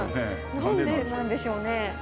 何でなんでしょうね？